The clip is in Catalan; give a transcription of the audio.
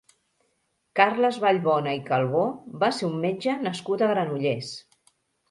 Carles Vallbona i Calbó va ser un metge nascut a Granollers.